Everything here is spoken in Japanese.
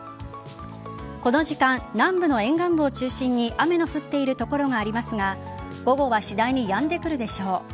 この時間、南部の沿岸部を中心に雨の降っている所がありますが今後は次第にやんでくるでしょう。